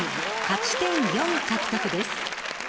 勝ち点４獲得です。